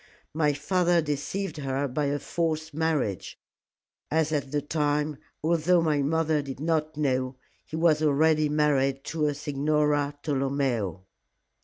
My father deceived her by a false marriage, as at the time, although my mother did not know, he was already married to a Signora Tolomeo."